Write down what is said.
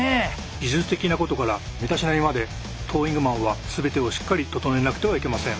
技術的なことから身だしなみまでトーイングマンは全てをしっかり整えなくてはいけません。